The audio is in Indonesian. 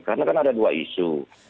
karena kan ada dua isu